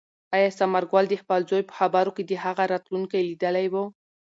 آیا ثمرګل د خپل زوی په خبرو کې د هغه راتلونکی لیدلی و؟